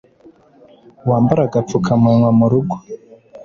Wambare agapfukamunwa mu rugo